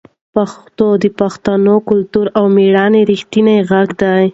پښتو د پښتنو د کلتور او مېړانې رښتینې غږ ده.